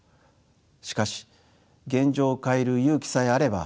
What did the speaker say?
しかし現状を変える勇気さえあれば見え